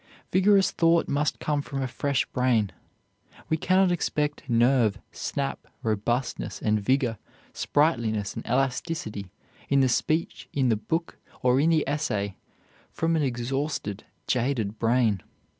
Vigorous thought must come from a fresh brain. We cannot expect nerve, snap, robustness and vigor, sprightliness and elasticity, in the speech, in the book, or in the essay, from an exhausted, jaded brain.